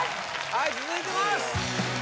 はい続いてます